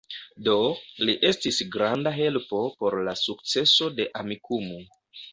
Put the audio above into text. Do, li estis granda helpo por la sukceso de Amikumu